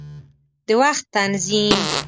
د وخت تنظیم